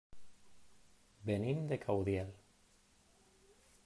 Venim de Caudiel.